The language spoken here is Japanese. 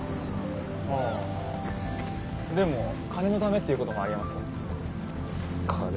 はぁでも金のためっていうこともありえますよ金？